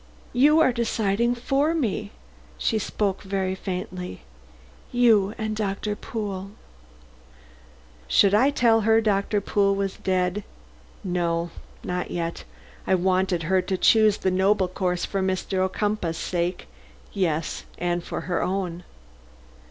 "You are deciding for me," she spoke very faintly "you and Doctor Pool." Should I tell her that Doctor Pool was dead? No, not yet. I wanted her to choose the noble course for Mr. Ocumpaugh's sake yes, and for her own.